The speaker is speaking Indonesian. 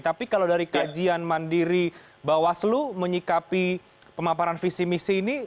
tapi kalau dari kajian mandiri bawaslu menyikapi pemaparan visi misi ini